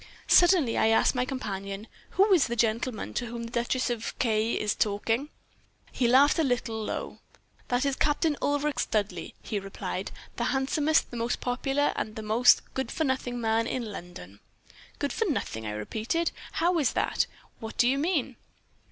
Suddenly I asked my companion, 'Who is the gentleman to whom the Duchess of K is talking?' "He laughed a little, low laugh. "'That is Captain Ulric Studleigh,' he replied, 'the handsomest, the most popular, and the most good for nothing man in London.' "'Good for nothing,' I repeated; 'how is that? What do you mean?'